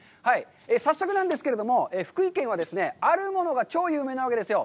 早速なんですけれども、福井県はですね、あるものが超有名なわけですよ